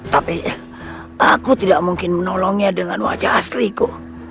tapi aku tidak mungkin menolongnya dengan wajah asliku